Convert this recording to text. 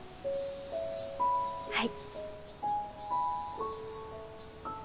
はい。